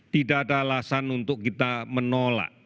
tidak ada alasan untuk kita menolak